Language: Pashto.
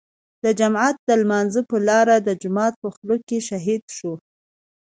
د جماعت د لمانځه پر لار د جومات په خوله کې شهيد شو.